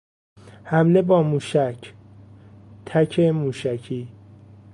حمله با موشک، تک موشکی